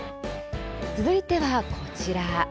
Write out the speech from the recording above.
続いては、こちら。